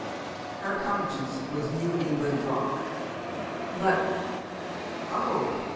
Her conscience was New England rock. But, oh!